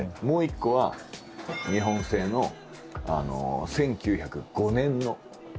もう１個は日本製の１９０５年の。